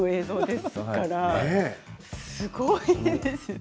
すごいですよね。